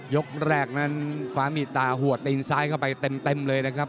ยกแรกนั้นฟ้ามีตาหัวตีนซ้ายเข้าไปเต็มเลยนะครับ